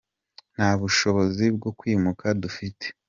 nta bushobozi bwo kwimuka dufite.